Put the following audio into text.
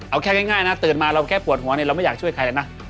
เอาแค่ง่ายนะเตรียมมาเราแค่ปวดหัวเรามันอยากช่วยใครนะ